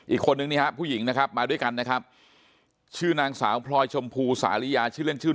อีกคนนึงนี่ฮะผู้หญิงนะครับมาด้วยกันนะครับชื่อนางสาวพรอยชมพูสาฬิญา